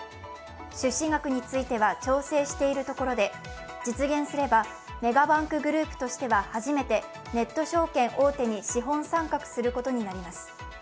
出資額については調整しているところで実現すれば、メガバンクグループとしては初めてネット証券大手に資本参画することになります。